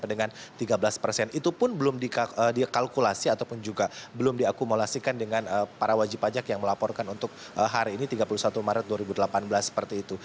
dengan tiga belas persen itu pun belum dikalkulasi ataupun juga belum diakumulasikan dengan para wajib pajak yang melaporkan untuk hari ini tiga puluh satu maret dua ribu delapan belas seperti itu